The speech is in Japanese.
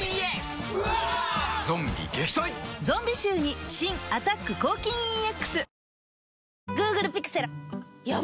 ゾンビ臭に新「アタック抗菌ＥＸ」